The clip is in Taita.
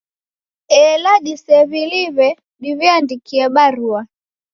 Ela disew'iliw'e, diw'iandikie barua